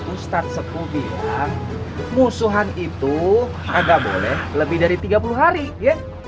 ustadz seku bilang musuhan itu agak boleh lebih dari tiga puluh hari ya